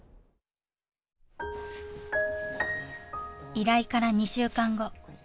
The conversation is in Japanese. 依頼から２週間後。